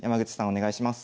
お願いします。